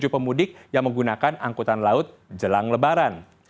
satu ratus delapan puluh tujuh pemudik yang menggunakan angkutan laut jelang lebaran